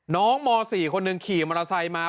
ม๔คนหนึ่งขี่มอเตอร์ไซค์มา